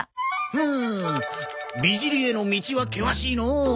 ふむ美尻への道は険しいのう。